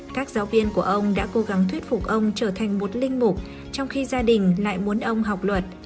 các giáo viên của ông đã cố gắng thuyết phục ông trở thành một linh mục trong khi gia đình lại muốn ông học luật